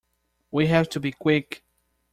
We have to be quick.